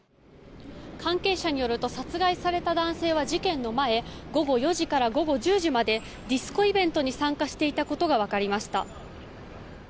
関係者によると殺害された男性は事件の前午後４時から午後１０時までディスコイベントに参加していたことが分かりました。